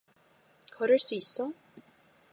걸을 수 있어?